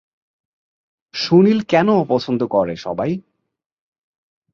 সুনিল কেন অপছন্দ করে সবাই?